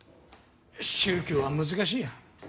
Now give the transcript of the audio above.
宗教は難しいんや。